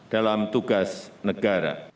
dalam tugas negara